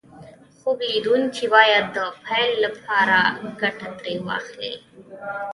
خوب ليدونکي بايد د پيل لپاره ګټه ترې واخلي.